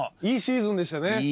いいシーズンでしたね。